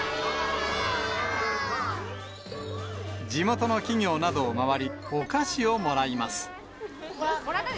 地元の企業などを回り、お菓子をもらいます。